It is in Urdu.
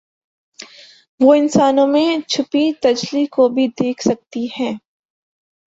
وہ انسانوں میں چھپی تجلی کو بھی دیکھ سکتی ہیں